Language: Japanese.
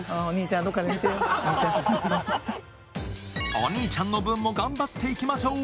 お兄ちゃんの分も頑張っていきましょう。